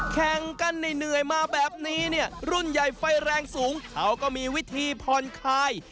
แข่งกันเหนื่อยมาแบบนี้เนี่ยรุ่นใหญ่ไฟแรงสูงเขาก็มีวิธีผ่อนคลาย